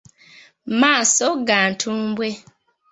Maaso ga ntumbwe.